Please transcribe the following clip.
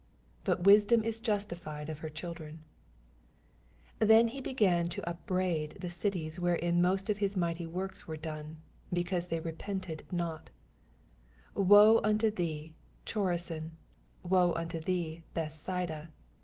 jBut wis dom is iastified of her children. 20 Tnen began he to upbraid the cities wherein most of his mighty works were done, because they re pented not : 21 Woe unto thee, Choraain I woe unto thee, Bethsaida!